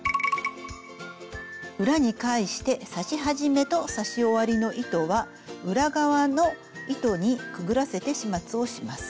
裏に返して刺し始めと刺し終わりの糸は裏側の糸にくぐらせて始末をします。